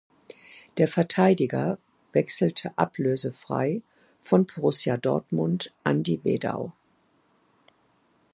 Der Verteidiger wechselte ablösefrei von Borussia Dortmund an die Wedau.